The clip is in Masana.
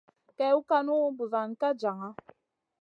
Kèwn kànu, buzuwan ka jaŋa.